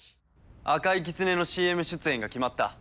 赤いきつねのＣＭ出演が決まった。